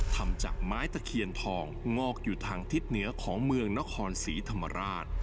ทำจากไม้ตะเคียนทองงอกอยู่ทางทิศเหนือของเมืองนครศรีธรรมราช